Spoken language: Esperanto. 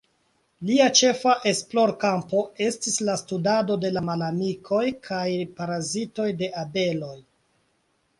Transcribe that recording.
Lia ĉefa esplorkampo estis la studado de la malamikoj kaj parazitoj de abeloj.